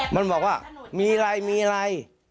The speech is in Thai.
มันบอกว่ามีอะไร